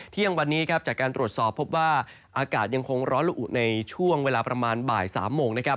เที่ยงวันนี้ครับจากการตรวจสอบพบว่าอากาศยังคงร้อนละอุในช่วงเวลาประมาณบ่าย๓โมงนะครับ